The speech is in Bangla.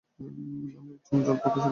আমি একজন জল প্রকৌশলি।